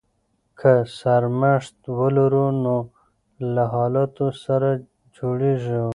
که نرمښت ولرو نو له حالاتو سره جوړیږو.